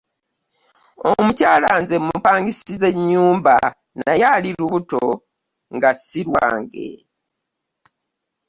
Omukyala nze mmupangisiza ennyumba naye ate ali lubuto nga si lwange.